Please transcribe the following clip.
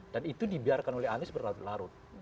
dan itu dibiarkan oleh anis berlarut larut